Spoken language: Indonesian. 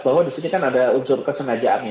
bahwa disini kan ada unsur kesengajaannya